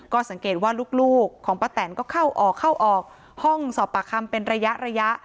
ก็สังเกตว่าลูกของป้าแตนก็เข้าออกเข้าออกห้องสอบปากคำเป็นระยะ